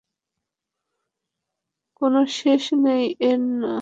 কোনো শেষ নেই এর, না?